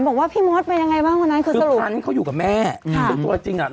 บอกว่าพี่มธไปยังไงบ้างคือพันธุ์เขาอยู่กับแม่อืมตัวจริงอ่ะ